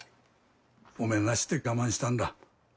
おめなして我慢したんだ。